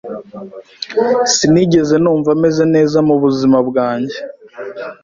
Sinigeze numva meze neza mubuzima bwanjye.